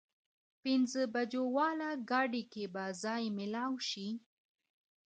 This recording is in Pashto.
پينځه بجو واله ګاډي کې به ځای مېلاو شي؟